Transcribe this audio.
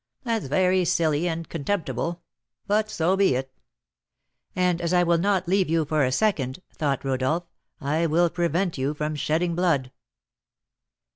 "That's very silly and contemptible; but so be it." "And as I will not leave you for a second," thought Rodolph, "I will prevent you from shedding blood."